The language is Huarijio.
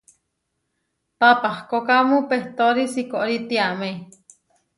Papahkókamu pehtóri sikóri tiamé.